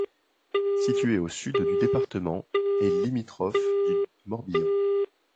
Situé au sud du département est limitrophe du Morbihan.